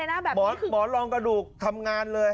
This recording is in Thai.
หมอลองกระดูกทำงานเลย